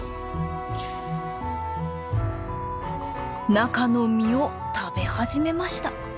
中の実を食べ始めました。